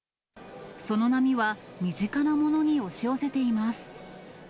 その波は、身近なものに押し寄せています。